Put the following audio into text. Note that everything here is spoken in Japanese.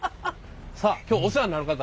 さあ今日お世話になる方。